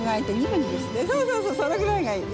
そうそうそうそのぐらいがいい。